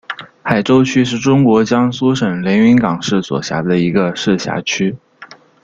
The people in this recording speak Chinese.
海州区是中国江苏省连云港市所辖的一个市辖区。